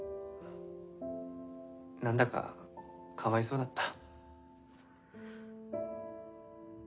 何だかかわいそうだった。